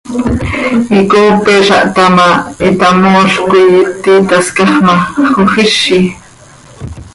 Icoopeza htá ma, hitamoolc coi iti tascax ma, xojizi.